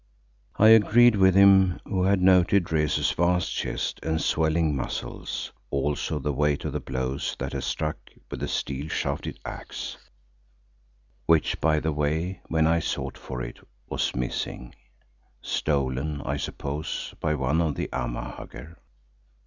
I agreed with him who had noted Rezu's vast chest and swelling muscles, also the weight of the blows that he struck with the steel hafted axe (which, by the way, when I sought for it, was missing, stolen, I suppose, by one of the Amahagger).